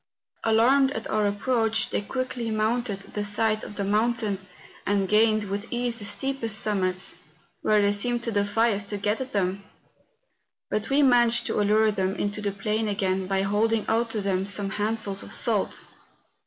Alarmed at our approach, they quickly mounted the sides of the mountain, and gained with ease the steepest sum¬ mits, where they seemed to defy us to get at them. But we managed to allure them into the plain again by holding out to them some handfuls of salt.